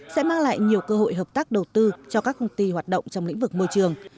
sẽ mang lại nhiều cơ hội hợp tác đầu tư cho các công ty hoạt động trong lĩnh vực môi trường